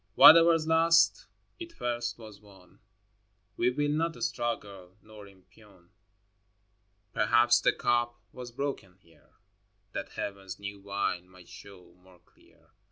XXII. Whatever's lost, it first was won: We will not struggle nor impugn. Perhaps the cup was broken here, That Heaven's new wine might show more clear.